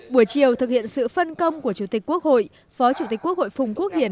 buổi chiều thực hiện sự phân công của chủ tịch quốc hội phó chủ tịch quốc hội phùng quốc hiển